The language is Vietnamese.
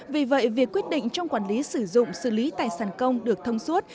vì vậy việc quyết định trong quản lý sử dụng xử lý tài sản công được thông suốt